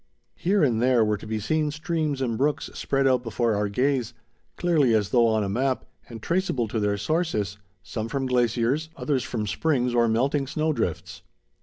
Here and there were to be seen streams and brooks spread out before our gaze, clearly as though on a map, and traceable to their sources, some from glaciers, others from springs or melting snow drifts.